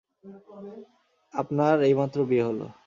আপনার এইমাত্র বিয়ে হলো।